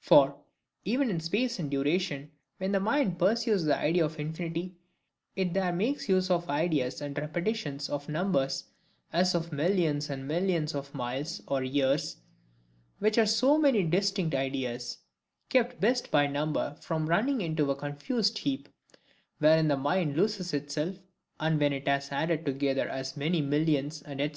For, even in space and duration, when the mind pursues the idea of infinity, it there makes use of the ideas and repetitions of numbers, as of millions and millions of miles, or years, which are so many distinct ideas,—kept best by number from running into a confused heap, wherein the mind loses itself; and when it has added together as many millions, &c.